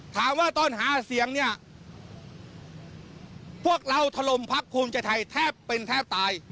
ถามว่าตอนหาเสียงเนี่ยพวกเราถล่มพักภูมิใจไทยแทบเป็นแทบตาย